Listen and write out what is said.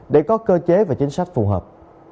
để có cơ chế và chính sách phù hợp